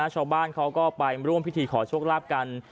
ชาวบ้านเขาก็ไปร่วมพิธีขอโชคลาภกัน